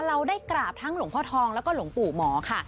เราได้กราบทั้งหลวงพ่อทองแล้วก็หลวงปู่หมอค่ะ